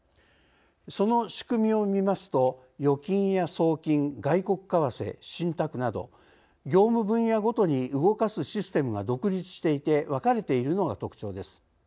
その仕組みをみますと預金や送金、外国為替、信託など業務分野ごとに動かすシステムが独立していて分かれているのが特徴です。